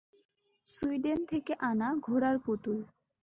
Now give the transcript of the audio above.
Sweden থেকে আনা ঘোড়ার পুতুল।